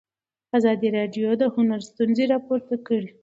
ازادي راډیو د هنر ستونزې راپور کړي.